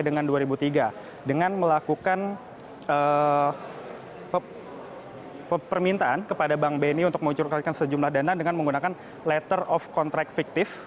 dengan melakukan permintaan kepada bank bni untuk mencurigakan sejumlah dana dengan menggunakan letter of contract fictive